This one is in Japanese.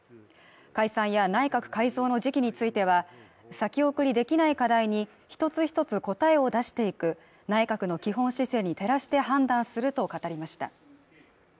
解散や内閣改造の時期については先送りできない課題に一つ一つ答えを出していく内閣の基本姿勢に照らして判断すると語りました。